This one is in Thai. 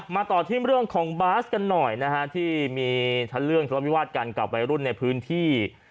มาต่อที่เรื่องของบาสกันหน่อยนะฮะที่มีทั้งเรื่องทะเลาะวิวาสกันกับวัยรุ่นในพื้นที่